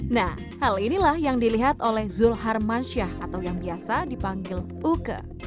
nah hal inilah yang dilihat oleh zul harmansyah atau yang biasa dipanggil uke